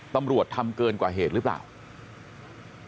ตำรวจทำเกินกว่าเหตุรึเปล่าทุกผู้ชมครับ